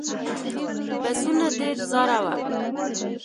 بسونه ډېر زاړه و.